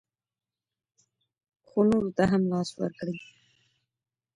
خو نورو ته هم لاس ورکړئ.